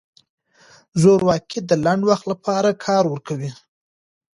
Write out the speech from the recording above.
زورواکي د لنډ وخت لپاره کار ورکوي.